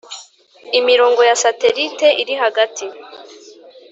imirongo ya satellite iri hagati